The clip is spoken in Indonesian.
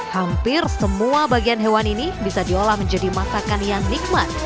hampir semua bagian hewan ini bisa diolah menjadi masakan yang nikmat